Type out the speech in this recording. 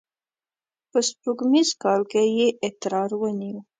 په سپوږمیز کال کې یې اترار ونیو.